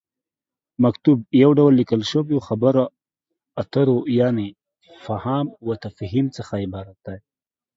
مکتوب: یو ډول ليکل شويو خبرو اترو یعنې فهام وتفهيم څخه عبارت دی